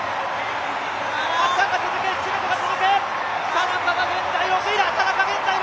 田中は現在６位！